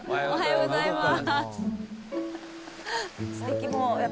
おはようございます。